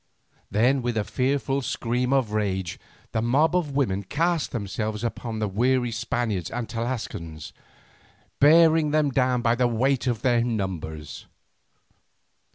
Then with a fearful scream of rage, the mob of women cast themselves upon the weary Spaniards and Tlascalans, bearing them down by the weight of their numbers.